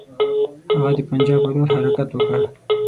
هغه د پنجاب پر لور حرکت وکړ.